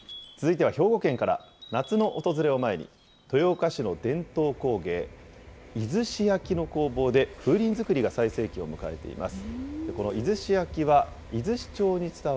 続いては兵庫県から、夏の訪れを前に、豊岡市の伝統工芸、出石焼の工房で風鈴作りが最盛期を迎えています。